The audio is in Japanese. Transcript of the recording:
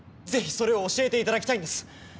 ぜひそれを教えていただきたいんです！